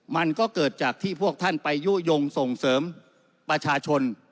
มันก็เกิดจากที่พวกท่านไปยุโยงส่งเสริมประชาชน